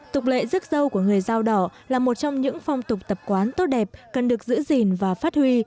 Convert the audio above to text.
tục lệ rước dâu của người dao đỏ là một trong những phong tục tập quán tốt đẹp cần được giữ gìn và phát huy